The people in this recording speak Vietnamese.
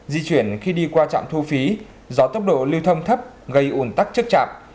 di chuyển khi đi qua trạm thu phí do tốc độ lưu thông thấp gây ủn tắc trước chạp